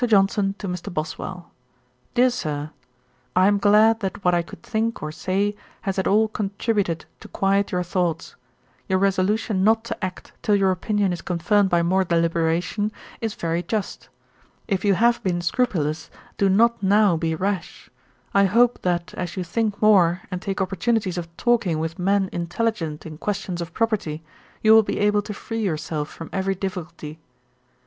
JOHNSON TO MR. BOSWELL. 'DEAR SIR, 'I am glad that what I could think or say has at all contributed to quiet your thoughts. Your resolution not to act, till your opinion is confirmed by more deliberation, is very just. If you have been scrupulous, do not now be rash. I hope that as you think more, and take opportunities of talking with men intelligent in questions of property, you will be able to free yourself from every difficulty.